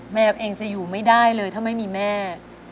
แมวเองจะอยู่ไม่ได้เลยถ้าไม่มีแม่